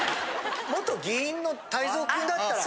元議員の太蔵君だったら。